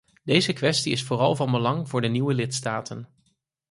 Deze kwestie is vooral van belang voor de nieuwe lidstaten.